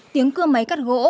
tiếng cưa máy cắt gỗ